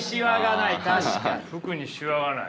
服にシワがない。